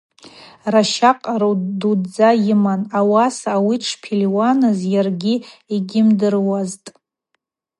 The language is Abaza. Ращакӏ къару дуддза йыман, ауаса ауи дшпельуаныз йаргьи йгьйымдыруазтӏ.